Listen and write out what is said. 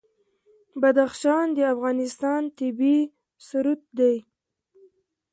بدخشان د افغانستان طبعي ثروت دی.